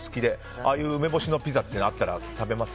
ああいう梅干しのピザってあったら、食べます？